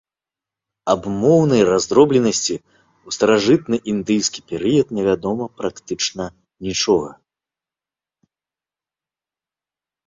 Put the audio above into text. Аб моўнай раздробленасці ў старажытнаіндыйскі перыяд невядома практычна нічога.